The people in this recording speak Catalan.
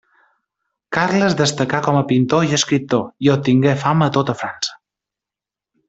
Carles destacà com a pintor i escriptor, i obtingué fama a tota França.